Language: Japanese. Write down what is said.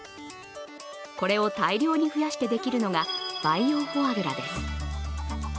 これを大量に増やしてできるのが培養フォアグラです。